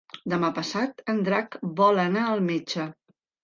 Demà passat en Drac vol anar al metge.